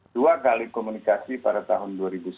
dua kali komunikasi pada tahun dua ribu sembilan belas